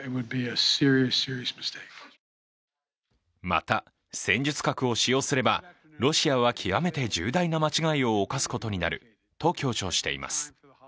また戦術核を使用すれば、ロシアは極めて重大な間違いを犯すことになると強調しています。